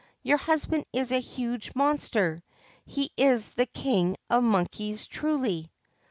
Your husband is a huge monster ; he is the King of monkeys truly.'